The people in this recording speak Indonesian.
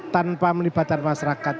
tanpa melibatkan masyarakat